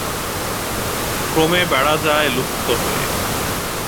ক্রমে বেড়া যায় লুপ্ত হয়ে।